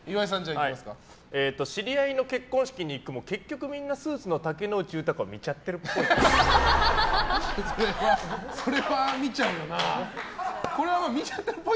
知り合いの結婚式に行っても結局みんなスーツの竹野内豊を見ちゃってるっぽい。